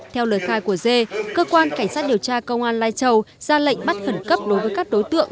theo lời khai của dê cơ quan cảnh sát điều tra công an lai châu ra lệnh bắt khẩn cấp đối với các đối tượng